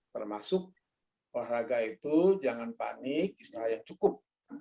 termasuk olahraga itu jangan panik istirahat yang cukup